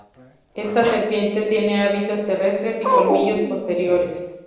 Esta serpiente tiene hábitos terrestres y colmillos posteriores.